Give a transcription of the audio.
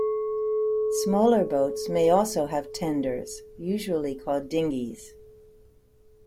Smaller boats may also have tenders, usually called dinghies.